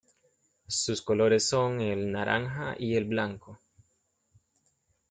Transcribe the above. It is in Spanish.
Sus colores son el naranja y el blanco.